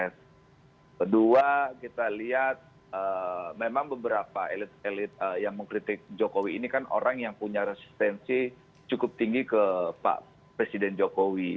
kedua kita lihat memang beberapa elit elit yang mengkritik jokowi ini kan orang yang punya resistensi cukup tinggi ke pak presiden jokowi